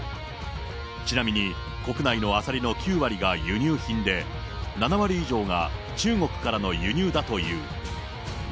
ちなみに国内のアサリの９割が輸入品で、７割以上が中国からの輸入だという。